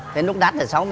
thế lúc đắt là sáu mươi